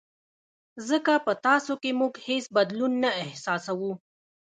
ځکه په تاسو کې موږ هېڅ بدلون نه احساسوو.